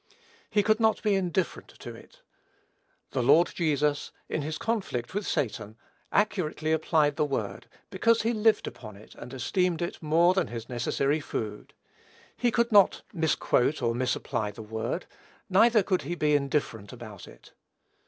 He could not be indifferent to it. The Lord Jesus, in his conflict with Satan, accurately applied the word, because he lived upon it, and esteemed it more than his necessary food. He could not misquote or misapply the word, neither could he be indifferent about it.